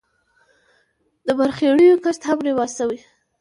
د مرخیړیو کښت هم رواج شوی.